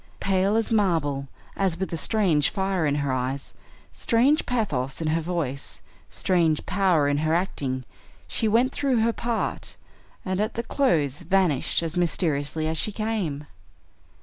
Pale as marble, and with a strange fire in her eyes, strange pathos in her voice, strange power in her acting, she went through her part, and at the close vanished as mysteriously as she came.